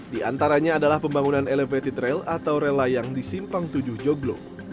di antaranya adalah pembangunan elevated rail atau rela yang disimpang tujuh joglo